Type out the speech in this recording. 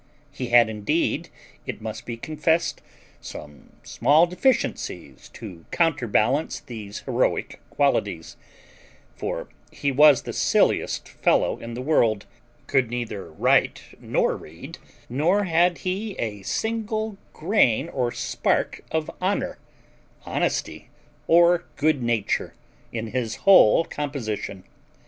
He had indeed, it must be confessed, some small deficiencies to counterbalance these heroic qualities; for he was the silliest fellow in the world, could neither write nor read, nor had he a single grain or spark of honour, honesty, or good nature, in his whole composition.